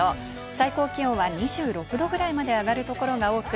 最高気温は２６度くらいまで上がる所が多く、